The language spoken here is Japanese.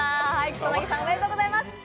草薙さん、おめでとうございます！